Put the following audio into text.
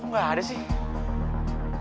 gak ada sih